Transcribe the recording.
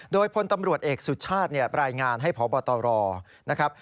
โดยพลตำรวจเอกสุชาติรายงานให้พบตรนะครับ